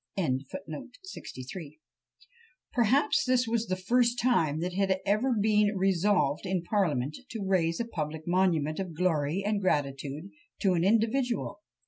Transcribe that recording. Perhaps this was the first time that it had ever been resolved in parliament to raise a public monument of glory and gratitude to an individual!